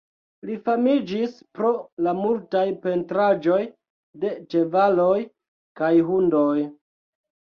Li famiĝis pro la multaj pentraĵoj de ĉevaloj kaj hundoj.